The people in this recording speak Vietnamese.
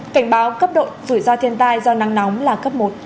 cảnh báo cấp độ rủi ro thiên tai do nắng nóng là cấp một